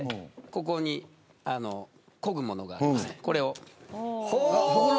ここにこぐものがあります。